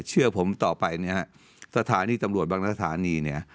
เชื่อผมต่อไปสถานีจำลวชบังกับสถานีเนี่ย